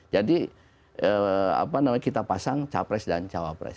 jadi kita pasang capres dan cawapres